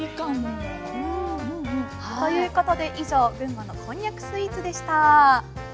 ねえ。ということで以上群馬のこんにゃくスイーツでした。